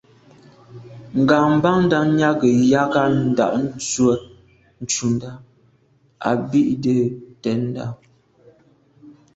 Ŋgàbándá nyâgə̀ ják á ndɑ̌’ ndzwə́ ncúndá á bì’də̌ tɛ̌ndá.